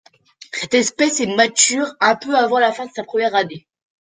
Cette espèce est mature un peu avant la fin de sa première année.